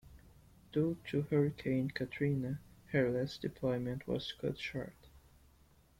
Due to Hurricane Katrina, her last deployment was cut short.